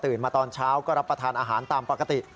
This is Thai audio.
มาตอนเช้าก็รับประทานอาหารตามปกติ